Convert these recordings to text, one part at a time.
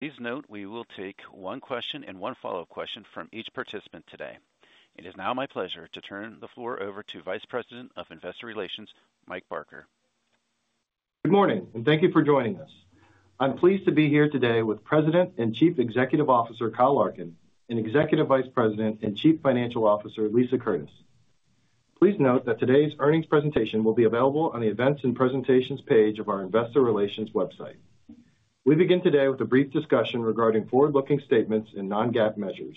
Please note, we will take one question and one follow-up question from each participant today. It is now my pleasure to turn the floor over to Vice President of Investor Relations, Mike Barker. Good morning, and thank you for joining us. I'm pleased to be here today with President and Chief Executive Officer, Kyle Larkin, and Executive Vice President and Chief Financial Officer, Lisa Curtis. Please note that today's earnings presentation will be available on the Events and Presentations page of our Investor Relations website. We begin today with a brief discussion regarding forward-looking statements and Non-GAAP measures.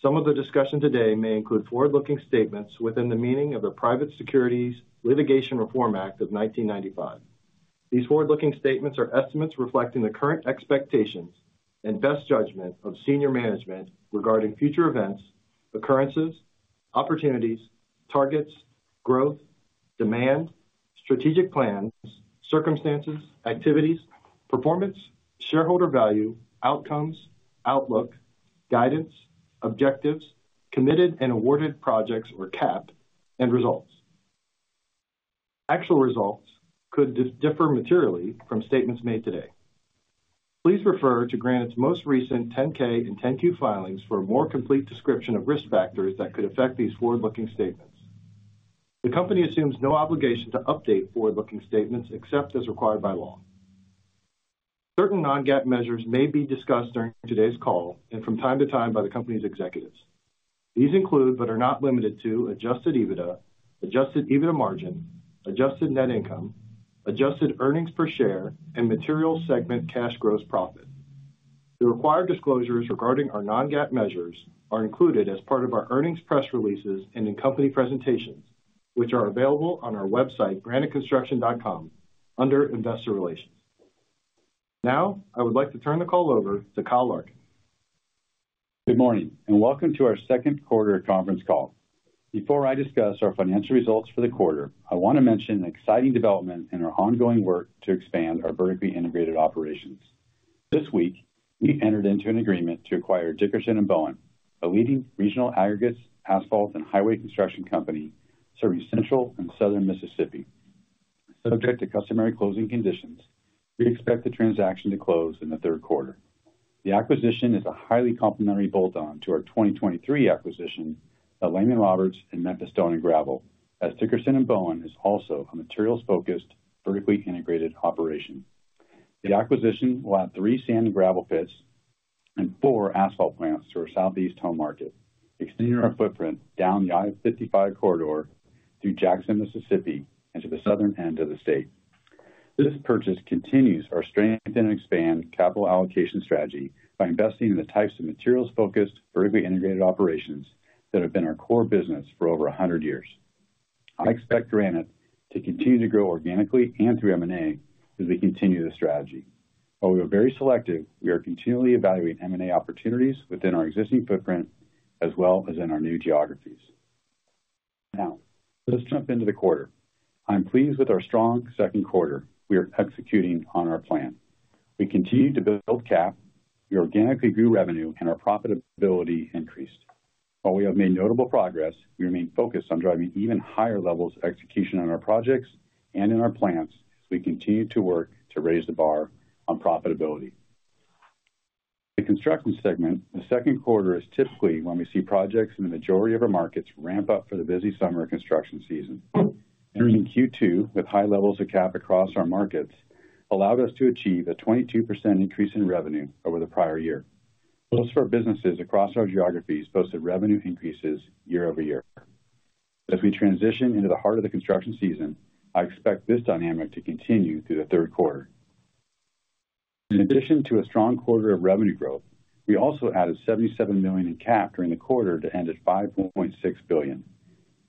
Some of the discussion today may include forward-looking statements within the meaning of the Private Securities Litigation Reform Act of 1995. These forward-looking statements are estimates reflecting the current expectations and best judgment of senior management regarding future events, occurrences, opportunities, targets, growth, demand, strategic plans, circumstances, activities, performance, shareholder value, outcomes, outlook, guidance, objectives, committed and awarded projects or CAP, and results. Actual results could differ materially from statements made today. Please refer to Granite's most recent 10-K and 10-Q filings for a more complete description of risk factors that could affect these forward-looking statements. The company assumes no obligation to update forward-looking statements except as required by law. Certain non-GAAP measures may be discussed during today's call and from time to time by the company's executives. These include, but are not limited to, adjusted EBITDA, adjusted EBITDA margin, adjusted net income, adjusted earnings per share, and Materials segment cash gross profit. The required disclosures regarding our non-GAAP measures are included as part of our earnings press releases and in company presentations, which are available on our website, graniteconstruction.com, under Investor Relations. Now, I would like to turn the call over to Kyle Larkin. Good morning, and welcome to our second quarter conference call. Before I discuss our financial results for the quarter, I want to mention an exciting development in our ongoing work to expand our vertically integrated operations. This week, we entered into an agreement to acquire Dickerson & Bowen, a leading regional aggregates, asphalt, and highway construction company serving Central and Southern Mississippi. Subject to customary closing conditions, we expect the transaction to close in the third quarter. The acquisition is a highly complementary bolt-on to our 2023 acquisition of Lehman-Roberts and Memphis Stone & Gravel, as Dickerson & Bowen is also a materials-focused, vertically integrated operation. The acquisition will add three sand and gravel pits and four asphalt plants to our Southeast home market, extending our footprint down the I-55 corridor through Jackson, Mississippi, and to the southern end of the state. This purchase continues our strength and expand capital allocation strategy by investing in the types of materials-focused, vertically integrated operations that have been our core business for over a hundred years. I expect Granite to continue to grow organically and through M&A as we continue this strategy. While we are very selective, we are continually evaluating M&A opportunities within our existing footprint as well as in our new geographies. Now, let's jump into the quarter. I'm pleased with our strong second quarter. We are executing on our plan. We continue to build CAP, we organically grew revenue, and our profitability increased. While we have made notable progress, we remain focused on driving even higher levels of execution on our projects and in our plants. We continue to work to raise the bar on profitability. The Construction segment in the second quarter is typically when we see projects in the majority of our markets ramp up for the busy summer construction season. Entering Q2 with high levels of CAP across our markets allowed us to achieve a 22% increase in revenue over the prior year. Most of our businesses across our geographies posted revenue increases year-over-year. As we transition into the heart of the construction season, I expect this dynamic to continue through the third quarter. In addition to a strong quarter of revenue growth, we also added $77 million in CAP during the quarter to end at $5.6 billion.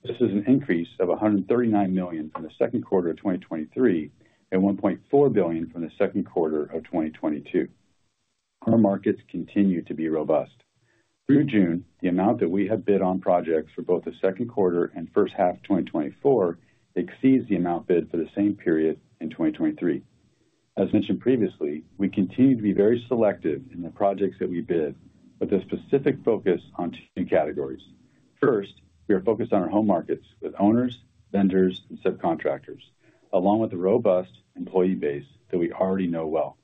This is an increase of $139 million from the second quarter of 2023 and $1.4 billion from the second quarter of 2022. Our markets continue to be robust. Through June, the amount that we have bid on projects for both the second quarter and first half of 2024 exceeds the amount bid for the same period in 2023. As mentioned previously, we continue to be very selective in the projects that we bid, with a specific focus on two categories. First, we are focused on our home markets with owners, vendors, and subcontractors, along with a robust employee base that we already know well.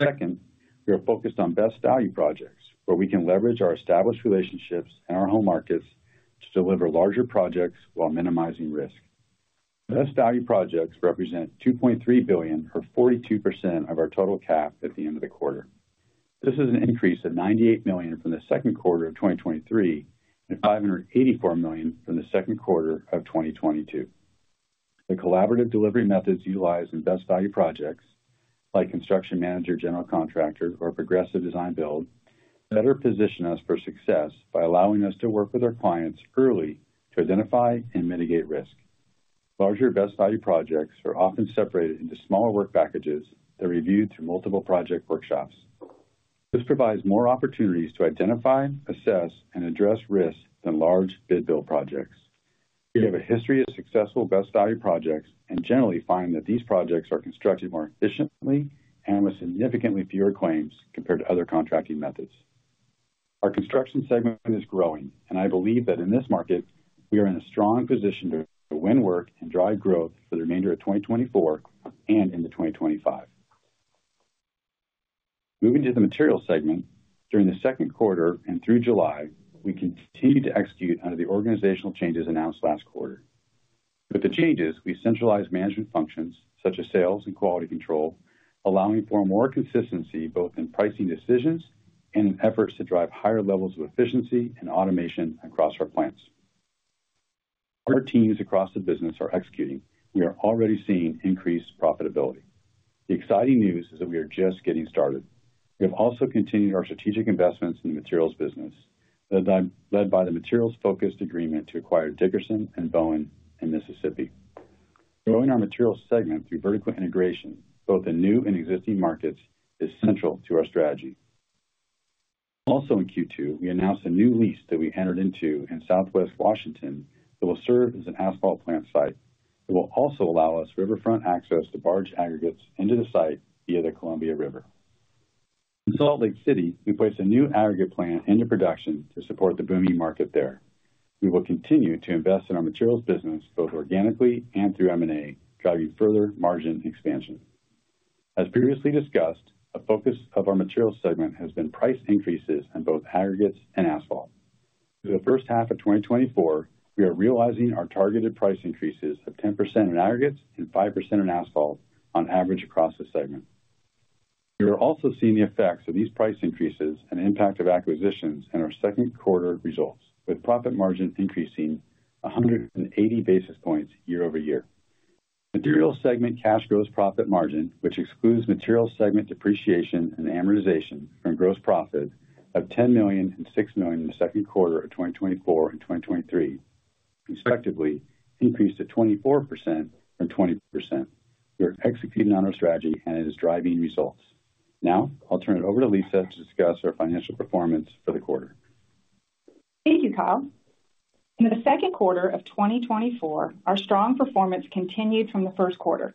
Second, we are focused on Best Value projects, where we can leverage our established relationships and our home markets to deliver larger projects while minimizing risk. Best Value projects represent $2.3 billion, or 42% of our total CAP at the end of the quarter. This is an increase of $98 million from the second quarter of 2023 and $584 million from the second quarter of 2022. The collaborative delivery methods utilized in Best Value projects, like construction manager/general contractor, or progressive design-build, better position us for success by allowing us to work with our clients early to identify and mitigate risk. Larger Best Value projects are often separated into smaller work packages that are reviewed through multiple project workshops. This provides more opportunities to identify, assess, and address risks than large bid build projects. We have a history of successful Best Value projects and generally find that these projects are constructed more efficiently and with significantly fewer claims compared to other contracting methods. Our construction segment is growing, and I believe that in this market, we are in a strong position to win work and drive growth for the remainder of 2024 and into 2025. Moving to the Materials segment, during the second quarter and through July, we continued to execute under the organizational changes announced last quarter. With the changes, we centralized management functions such as sales and quality control, allowing for more consistency, both in pricing decisions and in efforts to drive higher levels of efficiency and automation across our plants. Our teams across the business are executing. We are already seeing increased profitability. The exciting news is that we are just getting started. We have also continued our strategic investments in the Materials business, led by the Materials-focused agreement to acquire Dickerson & Bowen in Mississippi. Growing our Materials segment through vertical integration, both in new and existing markets, is central to our strategy. Also in Q2, we announced a new lease that we entered into in Southwest Washington, that will serve as an asphalt plant site. It will also allow us riverfront access to barge aggregates into the site via the Columbia River. In Salt Lake City, we placed a new aggregate plant into production to support the booming market there. We will continue to invest in our Materials business, both organically and through M&A, driving further margin expansion. As previously discussed, a focus of our Materials segment has been price increases in both aggregates and asphalt. Through the first half of 2024, we are realizing our targeted price increases of 10% in aggregates and 5% in asphalt on average across the segment. We are also seeing the effects of these price increases and impact of acquisitions in our second quarter results, with profit margin increasing 100 basis points year-over-year. Materials segment cash gross profit margin, which excludes Materials segment depreciation and amortization from gross profit of $10 million and $6 million in the second quarter of 2024 and 2023, respectively, increased to 24% from 20%. We are executing on our strategy and it is driving results. Now I'll turn it over to Lisa to discuss our financial performance for the quarter. Thank you, Kyle. In the second quarter of 2024, our strong performance continued from the first quarter.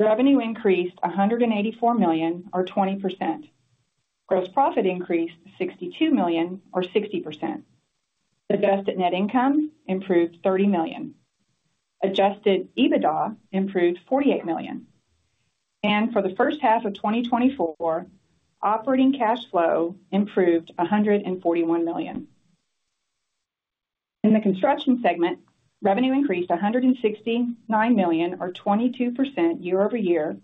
Revenue increased $184 million, or 20%. Gross profit increased $62 million, or 60%. Adjusted net income improved $30 million. Adjusted EBITDA improved $48 million, and for the first half of 2024, operating cash flow improved $141 million. In the Construction segment, revenue increased $169 million or 22% year-over-year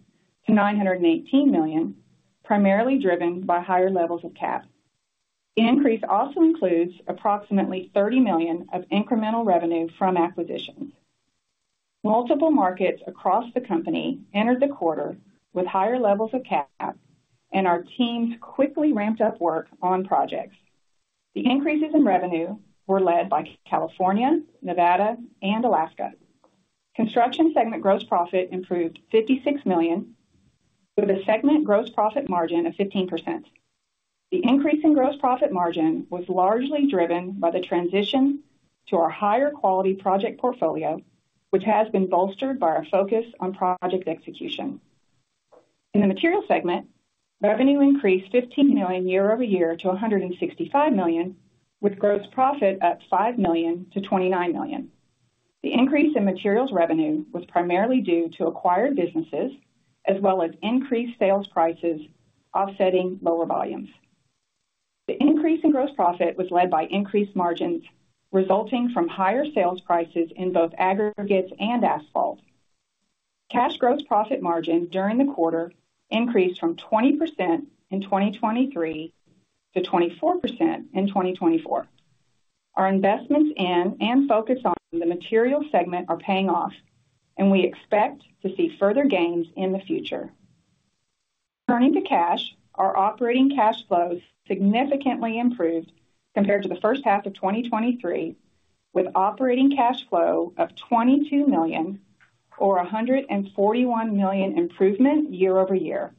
to $918 million, primarily driven by higher levels of CAP. The increase also includes approximately $30 million of incremental revenue from acquisitions. Multiple markets across the company entered the quarter with higher levels of CAP, and our teams quickly ramped up work on projects. The increases in revenue were led by California, Nevada, and Alaska. Construction segment gross profit improved $56 million, with a segment gross profit margin of 15%. The increase in gross profit margin was largely driven by the transition to our higher quality project portfolio, which has been bolstered by our focus on project execution. In the Materials segment, revenue increased $15 million year-over-year to $165 million, with gross profit up $5 million to $29 million. The increase in Materials revenue was primarily due to acquired businesses, as well as increased sales prices, offsetting lower volumes. The increase in gross profit was led by increased margins, resulting from higher sales prices in both aggregates and asphalt. Cash gross profit margin during the quarter increased from 20% in 2023 to 24% in 2024. Our investments in and focus on the Materials segment are paying off, and we expect to see further gains in the future. Turning to cash, our operating cash flows significantly improved compared to the first half of 2023, with operating cash flow of $22 million or $141 million improvement year-over-year.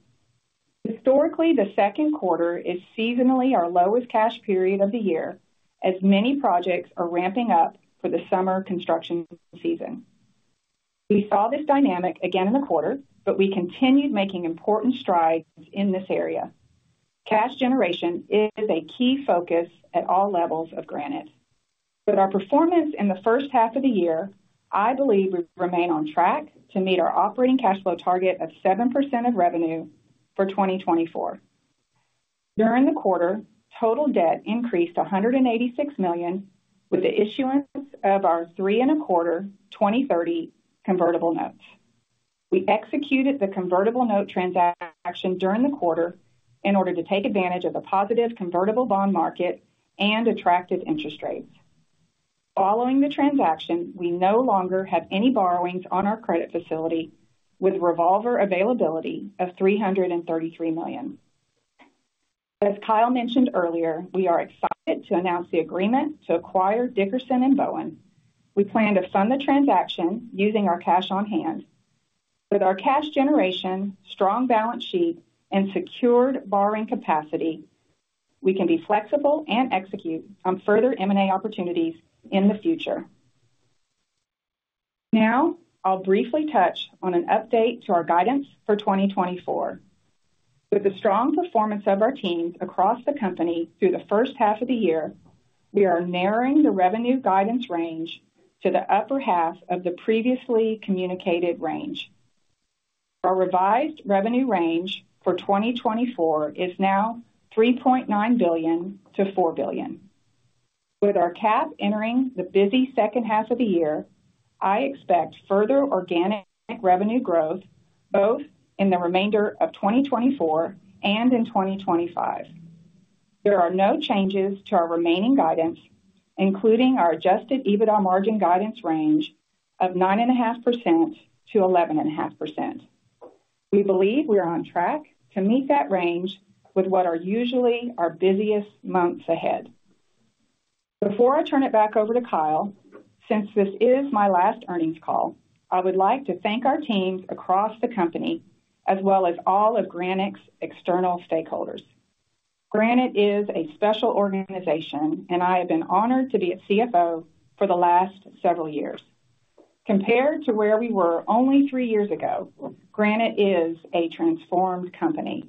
Historically, the second quarter is seasonally our lowest cash period of the year, as many projects are ramping up for the summer construction season. We saw this dynamic again in the quarter, but we continued making important strides in this area. Cash generation is a key focus at all levels of Granite. With our performance in the first half of the year, I believe we remain on track to meet our operating cash flow target of 7% of revenue for 2024. During the quarter, total debt increased $186 million, with the issuance of our 3.25% 2030 Convertible Notes. We executed the convertible note transaction during the quarter in order to take advantage of the positive convertible bond market and attractive interest rates. Following the transaction, we no longer have any borrowings on our credit facility, with revolver availability of $333 million. As Kyle mentioned earlier, we are excited to announce the agreement to acquire Dickerson & Bowen. We plan to fund the transaction using our cash on hand. With our cash generation, strong balance sheet, and secured borrowing capacity, we can be flexible and execute on further M&A opportunities in the future. Now, I'll briefly touch on an update to our guidance for 2024. With the strong performance of our teams across the company through the first half of the year, we are narrowing the revenue guidance range to the upper half of the previously communicated range. Our revised revenue range for 2024 is now $3.9 billion-$4 billion. With our cap entering the busy second half of the year, I expect further organic revenue growth, both in the remainder of 2024 and in 2025. There are no changes to our remaining guidance, including our adjusted EBITDA margin guidance range of 9.5%-11.5%. We believe we are on track to meet that range with what are usually our busiest months ahead. Before I turn it back over to Kyle, since this is my last earnings call, I would like to thank our teams across the company, as well as all of Granite's external stakeholders. Granite is a special organization, and I have been honored to be its CFO for the last several years. Compared to where we were only three years ago, Granite is a transformed company.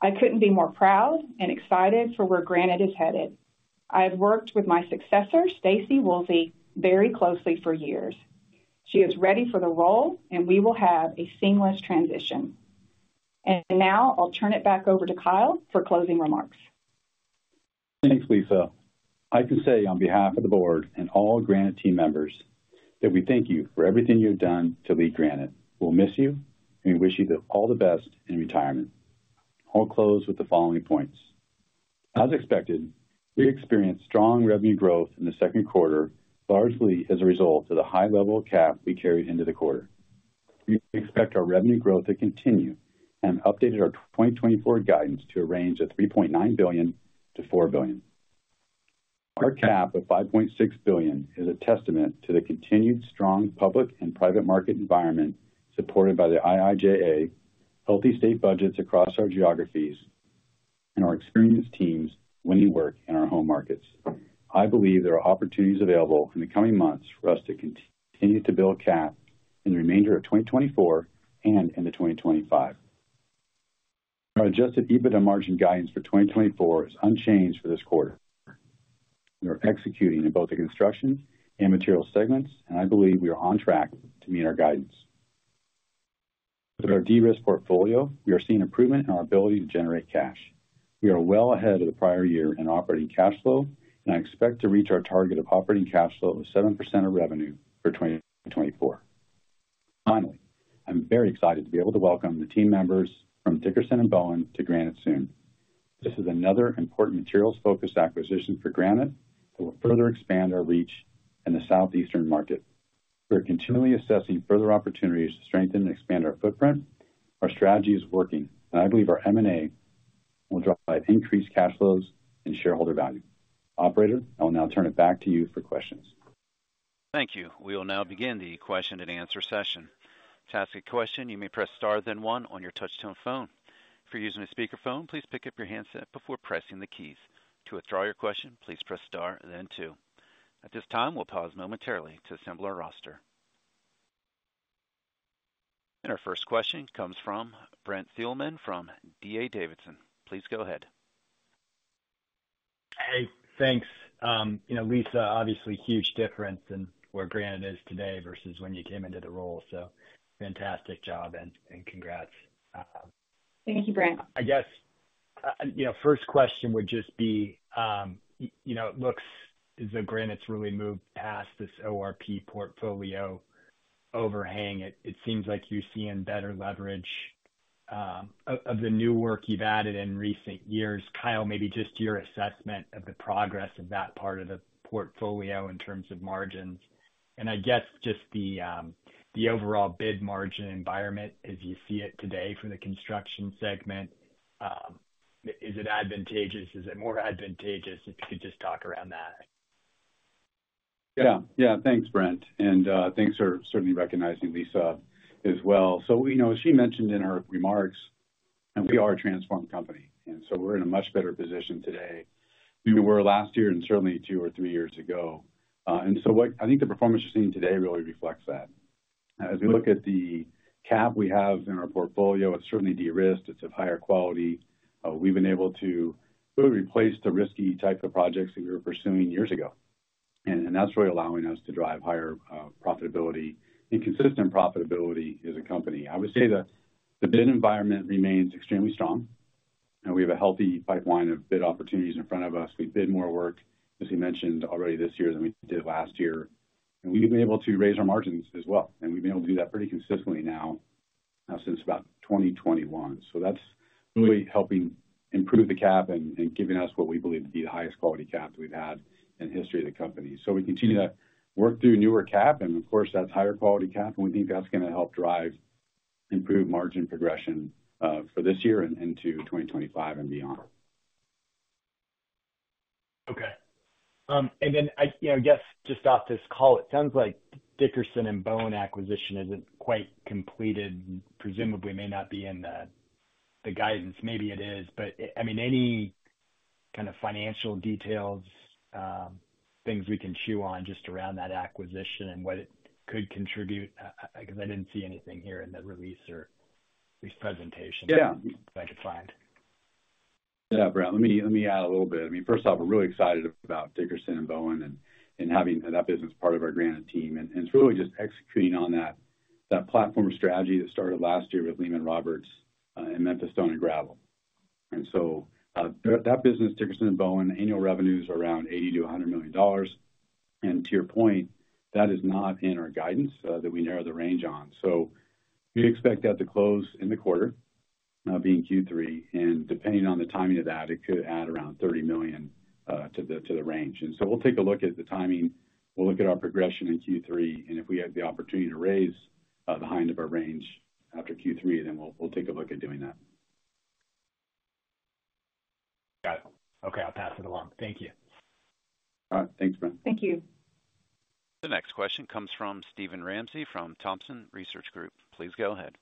I couldn't be more proud and excited for where Granite is headed. I have worked with my successor, Staci Woolsey, very closely for years. She is ready for the role, and we will have a seamless transition. And now I'll turn it back over to Kyle for closing remarks. Thanks, Lisa. I can say on behalf of the Board and all Granite team members, that we thank you for everything you've done to lead Granite. We'll miss you, and we wish you all the best in retirement. I'll close with the following points. As expected, we experienced strong revenue growth in the second quarter, largely as a result of the high level of cap we carried into the quarter. We expect our revenue growth to continue and updated our 2024 guidance to a range of $3.9 billion-$4 billion. Our cap of $5.6 billion is a testament to the continued strong public and private market environment, supported by the IIJA, healthy state budgets across our geographies, and our experienced teams winning work in our home markets. I believe there are opportunities available in the coming months for us to continue to build CAP in the remainder of 2024 and into 2025. Our adjusted EBITDA margin guidance for 2024 is unchanged for this quarter. We are executing in both the Construction and Materials segments, and I believe we are on track to meet our guidance. With our de-risked portfolio, we are seeing improvement in our ability to generate cash. We are well ahead of the prior year in operating cash flow, and I expect to reach our target of operating cash flow of 7% of revenue for 2024. Finally, I'm very excited to be able to welcome the team members from Dickerson & Bowen to Granite soon. This is another important Materials-focused acquisition for Granite that will further expand our reach in the Southeastern market. We are continually assessing further opportunities to strengthen and expand our footprint. Our strategy is working, and I believe our M&A will drive increased cash flows and shareholder value. Operator, I will now turn it back to you for questions. Thank you. We will now begin the question and answer session. To ask a question, you may press star, then one on your touch-tone phone. If you're using a speakerphone, please pick up your handset before pressing the keys. To withdraw your question, please press star, then two. At this time, we'll pause momentarily to assemble our roster. And our first question comes from Brent Thielman from D.A. Davidson. Please go ahead. Hey, thanks. You know, Lisa, obviously huge difference in where Granite is today versus when you came into the role. So fantastic job, and congrats. Thank you, Brent. I guess, you know, first question would just be, you know, it looks as though Granite's really moved past this ORP portfolio overhang. It seems like you're seeing better leverage of the new work you've added in recent years. Kyle, maybe just your assessment of the progress of that part of the portfolio in terms of margins, and I guess just the overall bid margin environment as you see it today for the Construction segment. Is it advantageous? Is it more advantageous? If you could just talk around that. Yeah. Yeah. Thanks, Brent, and thanks for certainly recognizing Lisa as well. So, you know, as she mentioned in her remarks, and we are a transformed company, and so we're in a much better position today than we were last year and certainly two or three years ago. And so I think the performance you're seeing today really reflects that. As we look at the CAP we have in our portfolio, it's certainly de-risked. It's of higher quality. We've been able to really replace the risky type of projects that we were pursuing years ago, and, and that's really allowing us to drive higher profitability and consistent profitability as a company. I would say the bid environment remains extremely strong, and we have a healthy pipeline of bid opportunities in front of us. We bid more work, as we mentioned already this year, than we did last year, and we've been able to raise our margins as well, and we've been able to do that pretty consistently now since about 2021. So that's really helping improve the cap and giving us what we believe to be the highest quality cap we've had in the history of the company. So we continue to work through newer cap, and of course, that's higher-quality cap, and we think that's going to help drive improved margin progression for this year and into 2025 and beyond. Okay. And then I, you know, I guess just off this call, it sounds like Dickerson & Bowen acquisition isn't quite completed, presumably may not be in the guidance. Maybe it is, but I mean, any kind of financial details, things we can chew on just around that acquisition and what it could contribute, because I didn't see anything here in the release or this presentation. Yeah. That I could find. Yeah, Brent, let me, let me add a little bit. I mean, first off, we're really excited about Dickerson & Bowen and, and having that business part of our Granite team, and, and it's really just executing on that, that platform strategy that started last year with Lehman-Roberts, and Memphis Stone & Gravel. And so, that business, Dickerson & Bowen, annual revenue is around $80 million-$100 million. And to your point, that is not in our guidance, that we narrow the range on. So we expect that to close in the quarter, being Q3, and depending on the timing of that, it could add around $30 million, to the, to the range. And so we'll take a look at the timing. We'll look at our progression in Q3, and if we have the opportunity to raise the high end of our range after Q3, then we'll take a look at doing that. Got it. Okay, I'll pass it along. Thank you. All right. Thanks, Brent. Thank you. The next question comes from Steven Ramsey, from Thompson Research Group. Please go ahead.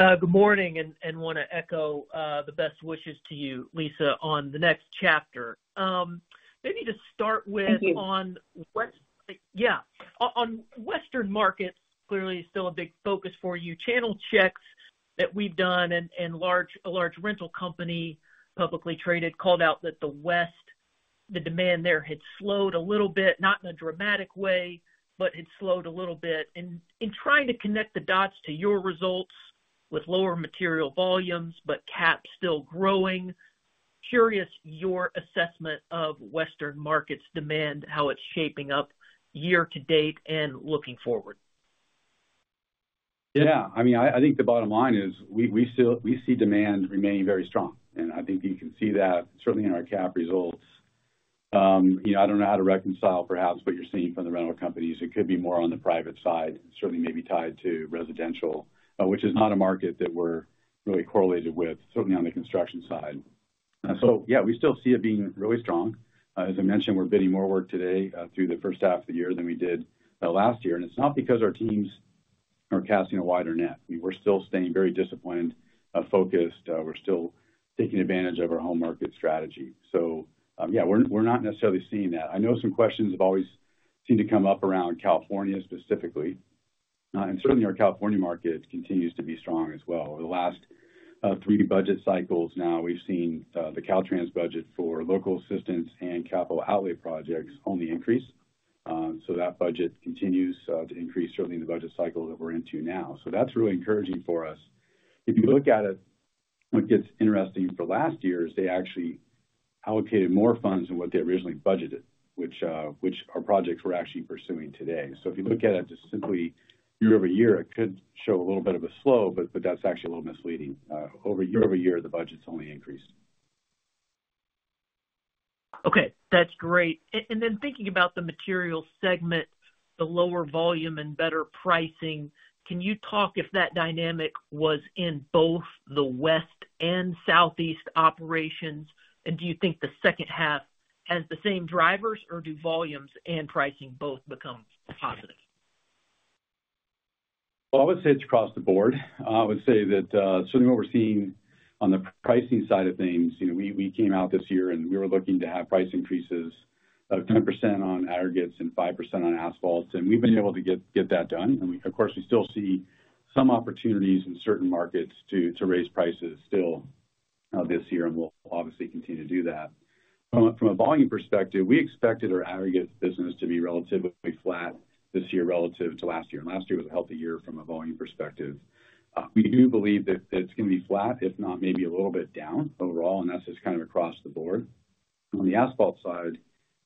Good morning, and want to echo the best wishes to you, Lisa, on the next chapter. Maybe to start with— Thank you. On Western markets, yeah. On Western markets, clearly still a big focus for you. Channel checks that we've done and a large rental company, publicly traded, called out that the West, the demand there had slowed a little bit, not in a dramatic way, but had slowed a little bit. And in trying to connect the dots to your results with lower material volumes, but CAP still growing, curious your assessment of Western markets demand, how it's shaping up year to date and looking forward? Yeah, I mean, I think the bottom line is, we still see demand remaining very strong, and I think you can see that certainly in our CAP results. You know, I don't know how to reconcile perhaps what you're seeing from the rental companies. It could be more on the private side, certainly maybe tied to residential, which is not a market that we're really correlated with, certainly on the construction side. So yeah, we still see it being really strong. As I mentioned, we're bidding more work today through the first half of the year than we did last year. And it's not because our teams are casting a wider net. We're still staying very disciplined, focused, we're still taking advantage of our home market strategy. So yeah, we're not necessarily seeing that. I know some questions have always seemed to come up around California, specifically. Certainly our California market continues to be strong as well. Over the last three budget cycles now, we've seen the Caltrans budget for local assistance and capital outlay projects only increase. So that budget continues to increase, certainly in the budget cycle that we're into now. So that's really encouraging for us. If you look at it, what gets interesting for last year is they actually allocated more funds than what they originally budgeted, which our projects we're actually pursuing today. So if you look at it just simply year-over-year, it could show a little bit of a slow, but that's actually a little misleading. Year-over-year, the budget's only increased. Okay, that's great. And then thinking about the material segment, the lower volume and better pricing, can you talk if that dynamic was in both the West and Southeast operations? And do you think the second half has the same drivers, or do volumes and pricing both become positive? Well, I would say it's across the board. I would say that, certainly what we're seeing on the pricing side of things, you know, we came out this year, and we were looking to have price increases of 10% on aggregates and 5% on asphalts, and we've been able to get that done. And, of course, we still see some opportunities in certain markets to raise prices still this year, and we'll obviously continue to do that. From a volume perspective, we expected our aggregate business to be relatively flat this year relative to last year, and last year was a healthy year from a volume perspective. We do believe that it's going to be flat, if not maybe a little bit down overall, and that's just kind of across the board. On the asphalt side,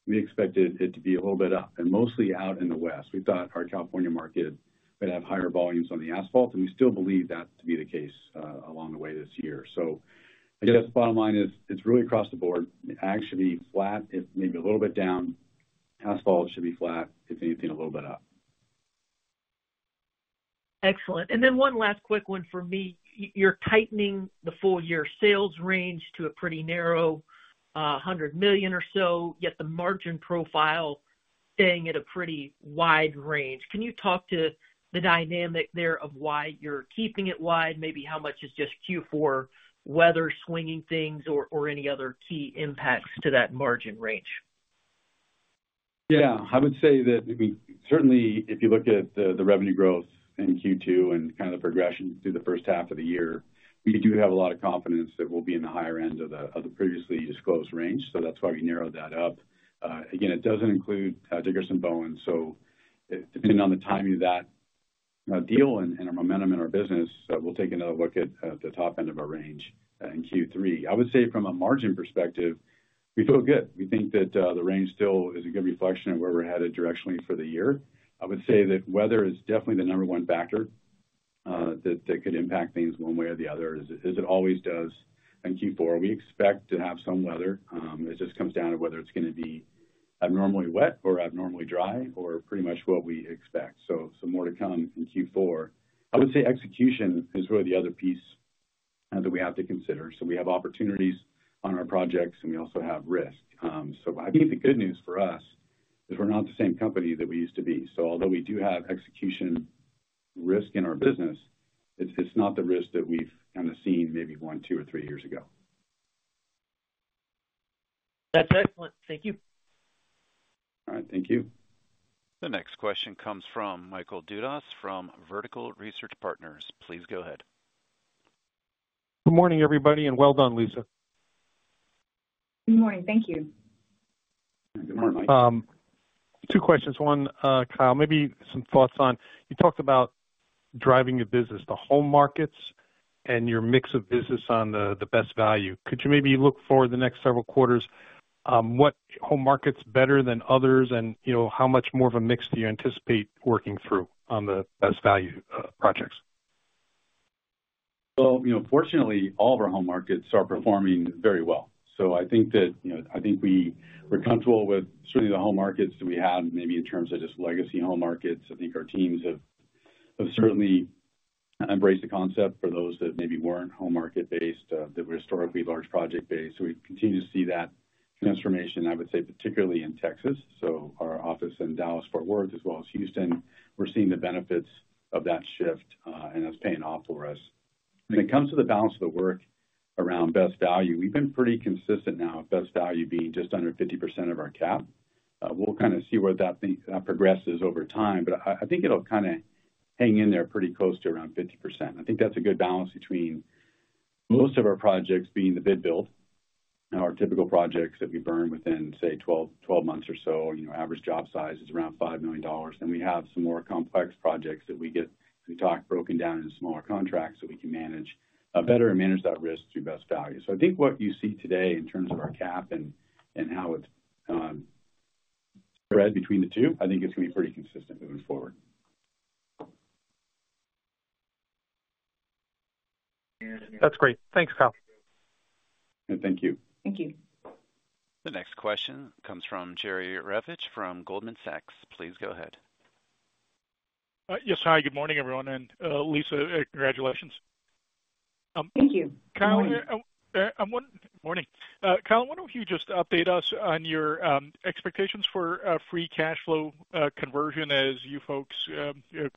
we expected it to be a little bit up and mostly out in the West. We thought our California market would have higher volumes on the asphalt, and we still believe that to be the case, along the way this year. So I guess the bottom line is, it's really across the board. Agg should be flat, if maybe a little bit down. Asphalt should be flat, if anything, a little bit up. Excellent. And then one last quick one for me. You're tightening the full year sales range to a pretty narrow $100 million or so, yet the margin profile staying at a pretty wide range. Can you talk to the dynamic there of why you're keeping it wide? Maybe how much is just Q4 weather swinging things or any other key impacts to that margin range? Yeah. I would say that, I mean, certainly if you look at the revenue growth in Q2 and kind of the progression through the first half of the year, we do have a lot of confidence that we'll be in the higher end of the previously disclosed range, so that's why we narrowed that up. Again, it doesn't include Dickerson & Bowen, so depending on the timing of that deal and our momentum in our business, we'll take another look at the top end of our range in Q3. I would say from a margin perspective, we feel good. We think that the range still is a good reflection of where we're headed directionally for the year. I would say that weather is definitely the number one factor that could impact things one way or the other, as it always does in Q4. We expect to have some weather. It just comes down to whether it's going to be abnormally wet or abnormally dry or pretty much what we expect. So some more to come in Q4. I would say execution is really the other piece that we have to consider. So we have opportunities on our projects, and we also have risk. So I think the good news for us is we're not the same company that we used to be. So although we do have execution risk in our business, it's not the risk that we've kind of seen maybe one, two, or three years ago. That's excellent. Thank you. All right, thank you. The next question comes from Michael Dudas from Vertical Research Partners. Please go ahead. Good morning, everybody, and well done, Lisa. Good morning. Thank you. Good morning, Mike. Two questions. One, Kyle, maybe some thoughts on, you talked about driving your business to home markets and your mix of business on the Best Value. Could you maybe look forward the next several quarters, what home market's better than others, and, you know, how much more of a mix do you anticipate working through on the Best Value projects? Well, you know, fortunately, all of our home markets are performing very well. So I think that, you know, I think we're comfortable with certainly the home markets that we have, maybe in terms of just legacy home markets. I think our teams have certainly embraced the concept for those that maybe weren't home market-based, that were historically large project-based. So we continue to see that transformation, I would say, particularly in Texas. So our office in Dallas-Fort Worth, as well as Houston, we're seeing the benefits of that shift, and it's paying off for us. When it comes to the balance of the work around Best Value, we've been pretty consistent now of Best Value being just under 50% of our CAP. We'll kind of see where that thing progresses over time, but I, I think it'll kind of hang in there pretty close to around 50%. I think that's a good balance between most of our projects being the bid build and our typical projects that we burn within, say, 12, 12 months or so. You know, average job size is around $5 million. Then we have some more complex projects that we get, we talk, broken down into smaller contracts, so we can manage better and manage that risk through Best Value. So I think what you see today in terms of our CAP and, and how it's spread between the two, I think it's going to be pretty consistent moving forward. That's great. Thanks, Kyle. Thank you. Thank you. The next question comes from Jerry Revich from Goldman Sachs. Please go ahead. Yes. Hi, good morning, everyone, and Lisa, congratulations. Thank you. Good morning. Kyle, good morning. Kyle, I wonder if you could just update us on your expectations for free cash flow conversion as you folks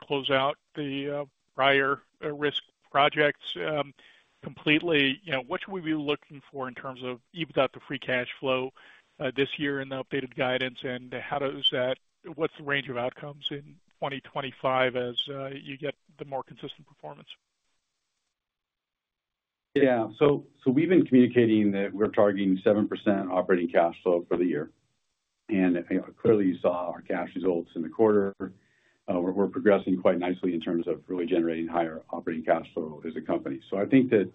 close out the prior risk projects completely. You know, what should we be looking for in terms of you've got the free cash flow this year and the updated guidance, and how does that—what's the range of outcomes in 2025 as you get the more consistent performance? Yeah. So we've been communicating that we're targeting 7% operating cash flow for the year, and clearly, you saw our cash results in the quarter. We're progressing quite nicely in terms of really generating higher operating cash flow as a company. So I think that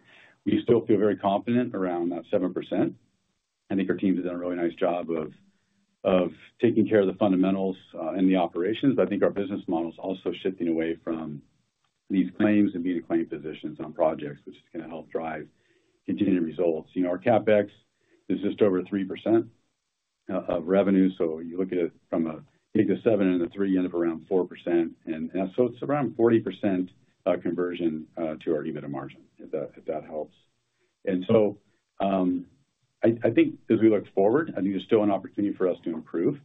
we still feel very confident around that 7%. I think our team has done a really nice job of taking care of the fundamentals and the operations, but I think our business model is also shifting away from these claims and being claim positions on projects, which is going to help drive continued results. You know, our CapEx is just over 3% of revenue, so you look at it from a take a seven and a three, end up around 4%. So it's around 40% conversion to our EBITDA margin, if that, if that helps. And so, I think as we look forward, I think there's still an opportunity for us to improve.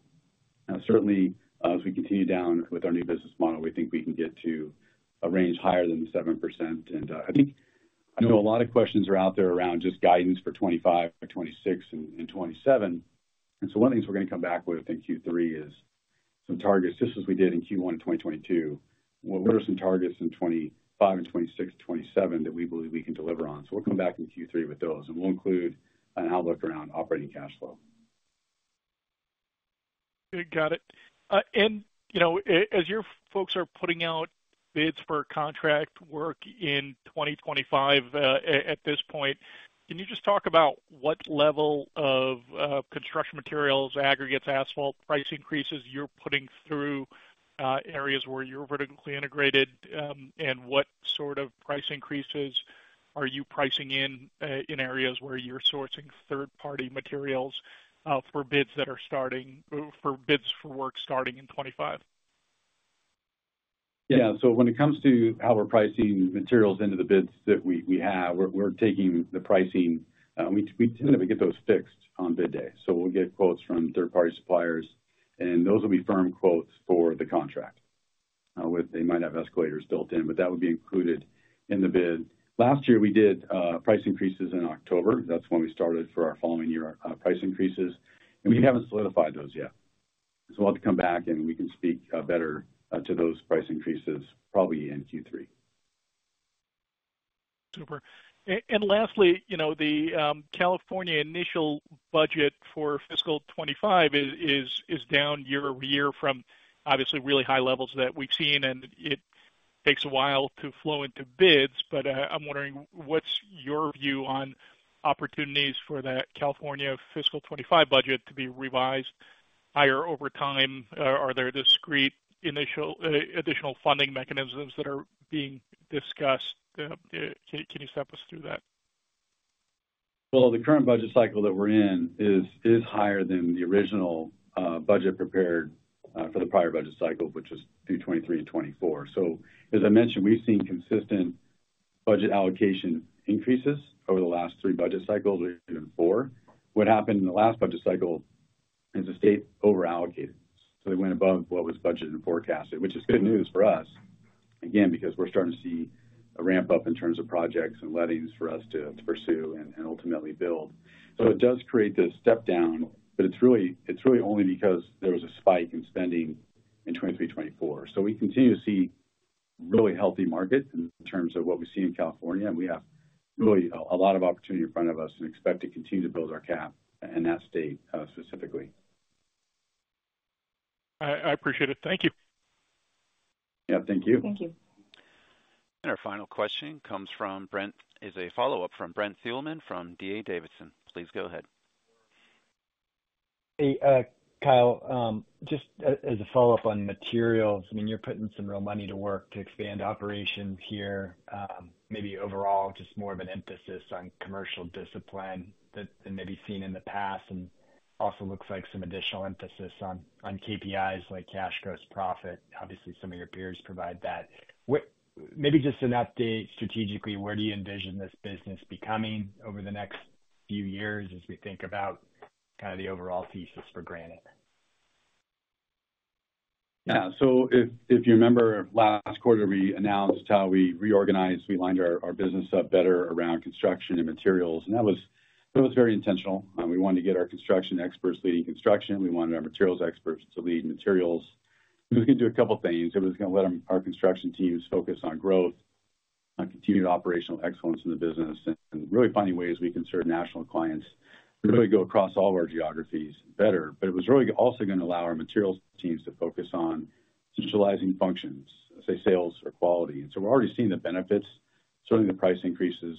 Certainly, as we continue down with our new business model, we think we can get to a range higher than 7%. And, I think, I know a lot of questions are out there around just guidance for 2025-2026 and, and 2027. And so one of the things we're going to come back with in Q3 is some targets, just as we did in Q1 in 2022. What are some targets in 2025 and 2026-2027 that we believe we can deliver on? So we'll come back in Q3 with those, and we'll include an outlook around operating cash flow. Got it. And, you know, as your folks are putting out bids for contract work in 2025, at this point, can you just talk about what level of construction materials, aggregates, asphalt price increases you're putting through, areas where you're vertically integrated? And what sort of price increases are you pricing in, in areas where you're sourcing third-party materials, for bids for work starting in 2025? Yeah. So when it comes to how we're pricing Materials into the bids that we have, we're taking the pricing, we tend to get those fixed on bid day. So we'll get quotes from third-party suppliers, and those will be firm quotes for the contract. They might have escalators built in, but that would be included in the bid. Last year, we did price increases in October. That's when we started for our following year price increases, and we haven't solidified those yet. So we'll have to come back, and we can speak better to those price increases probably in Q3. Super. And lastly, you know, the California initial budget for fiscal 2025 is down year-over-year from obviously really high levels that we've seen, and it takes a while to flow into bids. But, I'm wondering, what's your view on opportunities for that California fiscal 25 budget to be revised higher over time? Can you step us through that? Well, the current budget cycle that we're in is higher than the original budget prepared for the prior budget cycle, which is through 2023-2024. So as I mentioned, we've seen consistent budget allocation increases over the last three budget cycles or even four. What happened in the last budget cycle is the state over-allocated, so they went above what was budgeted and forecasted, which is good news for us, again, because we're starting to see a ramp up in terms of projects and lettings for us to pursue and ultimately build. So it does create this step down, but it's really, it's really only because there was a spike in spending in 2023, 2024. So we continue to see really healthy markets in terms of what we see in California, and we have really a lot of opportunity in front of us and expect to continue to build our cap in that state, specifically. I appreciate it. Thank you. Yeah, thank you. Thank you. Our final question comes from Brent, is a follow-up from Brent Thielman from D.A. Davidson. Please go ahead. Hey, Kyle, just as a follow-up on Materials, I mean, you're putting some real money to work to expand operations here. Maybe overall, just more of an emphasis on commercial discipline than maybe seen in the past, and also looks like some additional emphasis on KPIs, like cash gross profit. Obviously, some of your peers provide that. What—maybe just an update strategically, where do you envision this business becoming over the next few years as we think about kind of the overall thesis for Granite? Yeah. So if you remember last quarter, we announced how we reorganized. We lined our business up better around Construction and Materials, and that was very intentional. We wanted to get our construction experts leading construction. We wanted our materials experts to lead Materials. It was gonna do a couple things. It was gonna let them, our construction teams, focus on growth, on continued operational excellence in the business, and really finding ways we can serve national clients, really go across all our geographies better. But it was really also gonna allow our Materials teams to focus on centralizing functions, say, sales or quality. And so we're already seeing the benefits, certainly the price increases.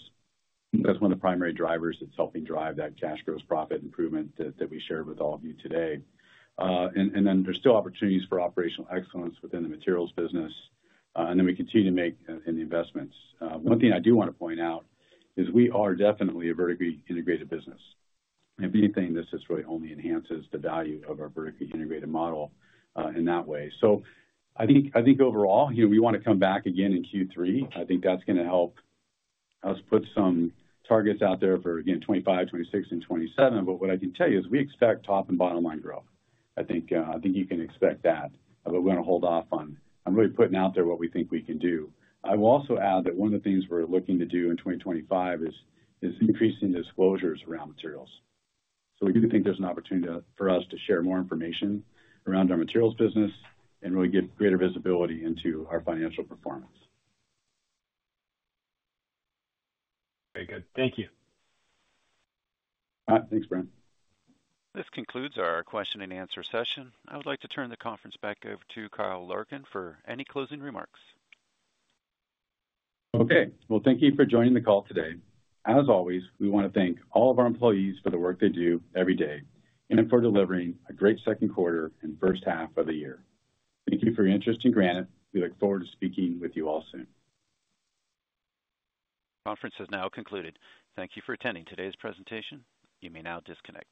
That's one of the primary drivers that's helping drive that cash gross profit improvement that we shared with all of you today. And then there's still opportunities for operational excellence within the Materials business, and then we continue to make the investments. One thing I do want to point out is we are definitely a vertically integrated business, and we think this just really only enhances the value of our vertically integrated model, in that way. So I think, I think overall, you know, we wanna come back again in Q3. I think that's gonna help us put some targets out there for, again, 2025, 2026, and 2027. But what I can tell you is we expect top and bottom-line growth. I think, I think you can expect that, but we're gonna hold off on, on really putting out there what we think we can do. I will also add that one of the things we're looking to do in 2025 is increasing disclosures around Materials. So we do think there's an opportunity to for us to share more information around our Materials business and really give greater visibility into our financial performance. Very good. Thank you. Thanks, Brent. This concludes our question-and-answer session. I would like to turn the conference back over to Kyle Larkin for any closing remarks. Okay. Well, thank you for joining the call today. As always, we wanna thank all of our employees for the work they do every day and for delivering a great second quarter and first half of the year. Thank you for your interest in Granite. We look forward to speaking with you all soon. Conference is now concluded. Thank you for attending today's presentation. You may now disconnect.